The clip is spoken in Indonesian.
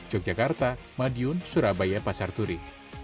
yogyakarta madiun surabaya pasar turi